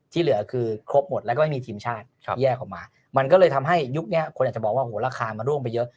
ที่เหลือคือครบหมดแล้วก็ไม่มีทีมชาติแยกออกมามันก็เลยทำให้ยุคนี้คนอาจจะบอกว่าหัวราคามันร่วงไปเยอะ